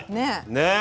ねえ。